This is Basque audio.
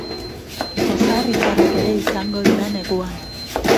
Ozar-izarrak ere izango dira neguan.